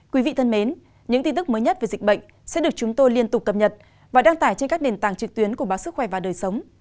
quý vị thân mến những tin tức mới nhất về dịch bệnh sẽ được chúng tôi liên tục cập nhật và đăng tải trên các nền tảng trực tuyến của báo sức khỏe và đời sống